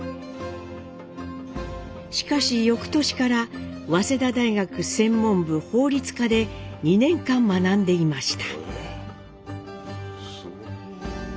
しかしよくとしから早稲田大学専門部法律科で２年間学んでいました。